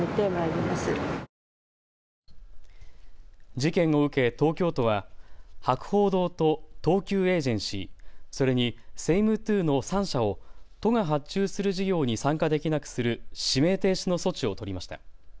事件を受け東京都は博報堂と東急エージェンシー、それにセイムトゥーの３社を都が発注する事業に参加できなくする指名停止の措置を取りました。